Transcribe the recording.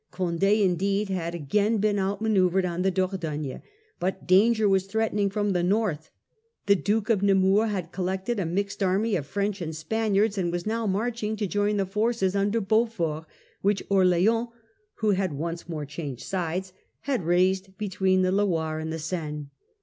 Condd indeed had again been outmanoeuvred on the Dordogne. But C 't'cal danger was threatening from the north. The state of Duke of Nemours had collected a mixed affairs. army of French and Spaniards, and was now marching to join the forces under Beaufort, which Orleans, who had once more changed sides, had raised between the Loire and the Seine.